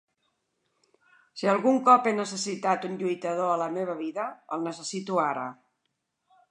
Si algun cop he necessitat un lluitador a la meva vida, el necessito ara.